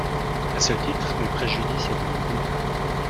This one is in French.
À ce titre, le préjudice est donc double.